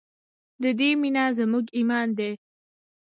د دې مینه زموږ ایمان دی